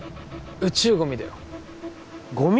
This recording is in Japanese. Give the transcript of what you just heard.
宇宙ゴミだよゴミ？